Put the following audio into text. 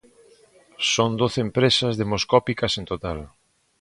Son doce empresas demoscópicas en total.